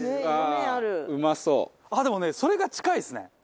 あっでもねそれが近いですね。